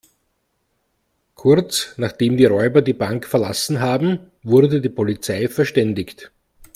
Kurz, nachdem die Räuber die Bank verlassen haben, wurde die Polizei verständigt.